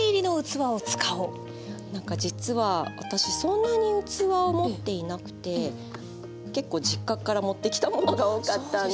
なんか実は私そんなに器を持っていなくて結構実家から持ってきたものが多かったんで。